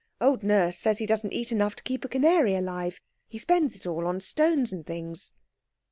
Old Nurse says he doesn't eat enough to keep a canary alive. He spends it all on stones and things."